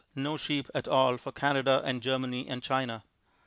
no sheep at all for Canada and Germany and China.